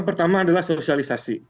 pertama adalah sosialisasi